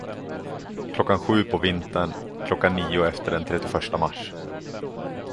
Klockan sju på vintern, klockan nio efter den trettioförsta mars.